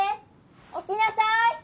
起きなさい！